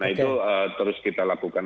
nah itu terus kita lakukan